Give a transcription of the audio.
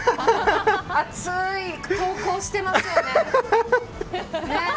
熱い投稿してますよね。